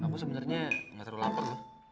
aku sebenarnya gak terlalu lapar